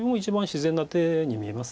自然な手に見えます。